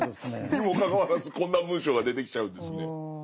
にもかかわらずこんな文章が出てきちゃうんですね。